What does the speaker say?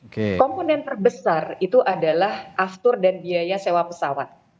komponen terbesar itu adalah aftur dan biaya sewa pesawat